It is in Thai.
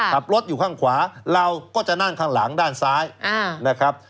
ขับรถอยู่ข้างขวาเราก็จะนั่งข้างหลังด้านซ้ายนะครับ